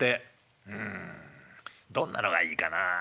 うんどんなのがいいかな。